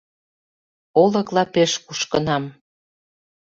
Олык лапеш кушкынам.